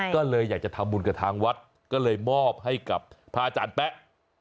ก็เลยอยากจะทำบุญกับทางวัดก็เลยมอบให้กับพระอาจารย์แป๊ะ